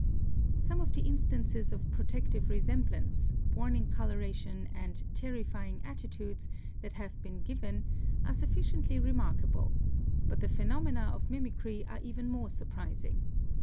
Some of the instances of protective resemblance, warn ing coloration and "terrifying attitudes" that have been given are sufficiently remarkable, but the phenomena of mimicry are even more surprising.